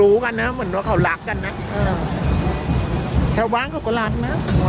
อืม